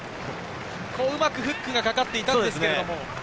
うまくフックがかかっていたんですけれど。